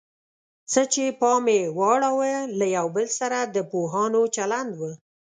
څه چې پام یې واړاوه له یو بل سره د پوهانو چلند و.